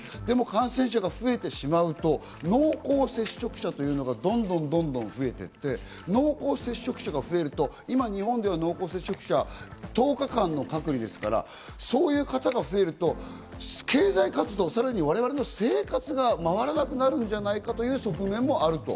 でも感染者が増えてしまうと濃厚接触者というのがどんどんどんどん増えていって濃厚接触者が増えると今、日本では濃厚接触者は１０日間の隔離ですから、そういう方が増えると経済活動、さらに我々の生活が回らなくなるんじゃないかという側面もある。